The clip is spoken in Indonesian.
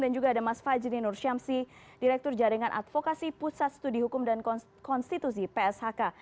dan juga ada mas fadjidin nur syamsi direktur jaringan advokasi pusat studi hukum dan konstitusi pshk